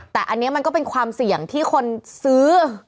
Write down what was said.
แต่อันนี้มันก็เป็นความเสี่ยงที่คนซื้อ